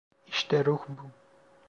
İşte ruh bu.